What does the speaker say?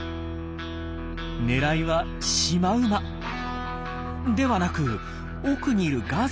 狙いはシマウマではなく奥にいるガゼル。